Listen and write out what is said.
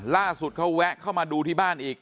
ล่าสุดเขาแวะเข้ามาดูที่บ้านอีก